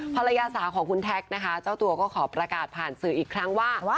ภรรยาสาวของคุณแท็กนะคะเจ้าตัวก็ขอประกาศผ่านสื่ออีกครั้งว่า